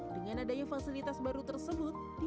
dengan adanya fasilitas baru tersebut